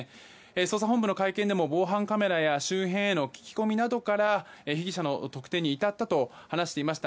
捜査本部の会見でも防犯カメラや周辺への聞き込みなどから被疑者の特定に至ったと話していました。